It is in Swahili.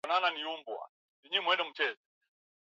kubwa kabisa katika ligi ya hapa uganda